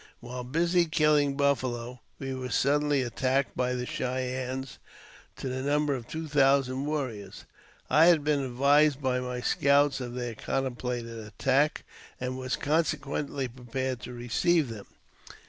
While busy killing buffalo, wo! were suddenly attacked by the Cheyennes to the number of tw( thousand warriors. I had been advised by my scouts of theii contemplated attack, and was consequently prepared to receive them.